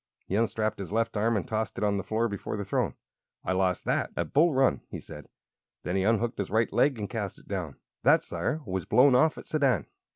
He unstrapped his left arm and tossed it on the floor before the throne. "I lost that at Bull Run," he said. Then he unhooked his right leg and cast it down. "That, Sire, was blown off at Sedan."